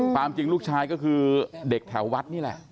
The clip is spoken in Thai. ความจริงลูกชายก็คือเด็กแถววัดนี่แหละ